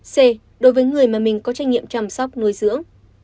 c đối với người mà mình có trách nhiệm chăm sóc nuôi dưỡng